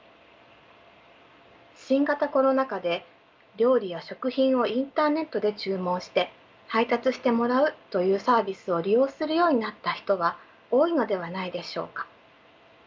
新型コロナ禍で料理や食品をインターネットで注文して配達してもらうというサービスを利用するようになった人は多いのではないでしょうか。